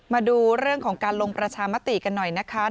มาดูเรื่องของการลงประชามติกันหน่อยนะคะ